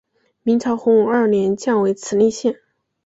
明朝洪武二年降为慈利县。